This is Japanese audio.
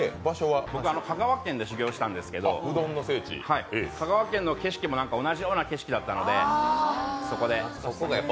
僕、香川県で修業したんですけど香川県の景色も同じような景色だったので、そこで。